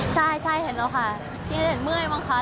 ชอบดอกไม้วะเลยค่ะพี่ณเดชน์ก็ให้ด้วย